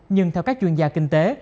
nhưng theo các chuyên gia kinh tế